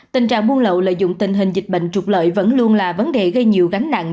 tình trạng buôn lậu lợi dụng tình hình dịch bệnh trục lợi vẫn luôn là vấn đề gây nhiều gánh nặng